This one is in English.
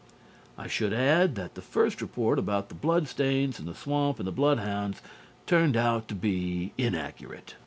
I should add that the first report about the bloodstains and the swamp and the bloodhounds turned out to be inaccurate.